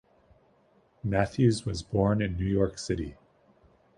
Matthews was born in New York City.